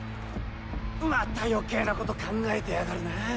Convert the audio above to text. また余計なこと考えてやがるな。